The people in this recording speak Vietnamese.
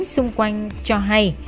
xung quanh cho hay